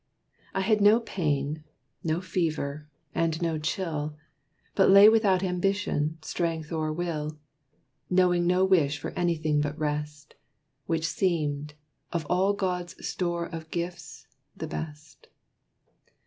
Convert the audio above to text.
I had no pain, no fever, and no chill, But lay without ambition, strength, or will, Knowing no wish for anything but rest, Which seemed, of all God's store of gifts, the best.